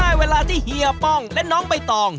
ได้เวลาที่เฮียป้องและน้องใบตอง